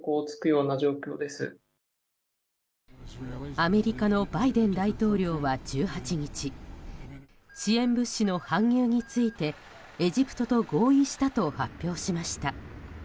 アメリカのバイデン大統領は１８日、支援物資の搬入についてエジプトと合意したと発表しました。